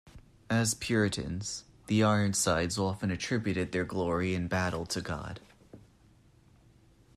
As Puritans, the Ironsides often attributed their glory in battle to God.